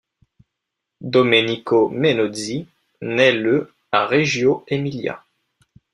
Domenico Menozzi naît le à Reggio Emilia.